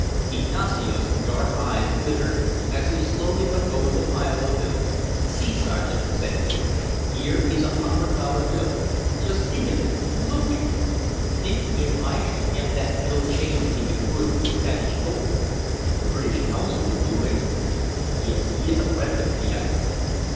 Ignacio's dark eyes glittered as he slowly went over the pile of bills. "See, sergeant," said he, "here is a hundred dollar bill. Just think of it! Look at it! Think if I should get that bill changed into good Spanish gold. The British consul would do it." "Yes, he is a friend of the Yankees."